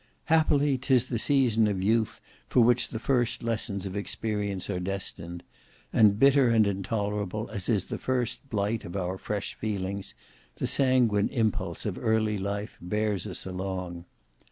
Happily 'tis the season of youth for which the first lessons of experience are destined; and bitter and intolerable as is the first blight of our fresh feelings, the sanguine impulse of early life bears us along.